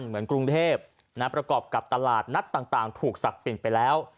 เหมือนกรุงเทพนะประกอบกับตลาดนัดต่างต่างถูกสักปิดไปแล้ว